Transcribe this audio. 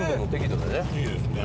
いいですね。